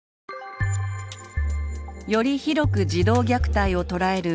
より広く児童虐待をとらえる